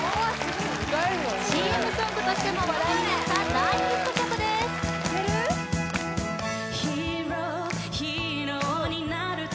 ＣＭソングとしても話題になった大ヒット曲ですウウＯＫ